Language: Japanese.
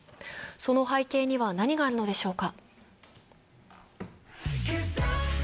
その背景には何があるのでしょうか。